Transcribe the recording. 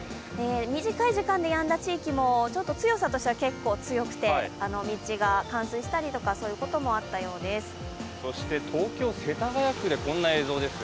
短い時間でやんだ地域もちょっと強さとしては結構強くて、道が冠水したりとか東京・世田谷区でこんな映像です。